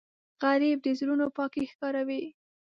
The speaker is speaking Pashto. غریب د زړونو پاکی ښکاروي